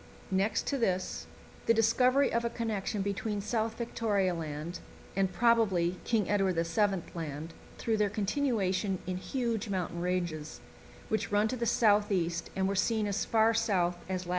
Next to this, the discovery of a connection between South Victoria Land and, probably, King Edward VII. Land through their continuation in huge mountain ranges, which run to the south east and were seen as far south as lat.